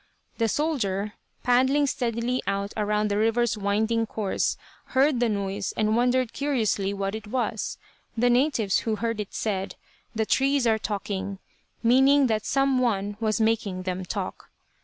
The soldier, paddling steadily out around the river's winding course, heard the noise and wondered curiously what it was. The natives who heard it said, "The trees are talking," meaning that some one was making them talk.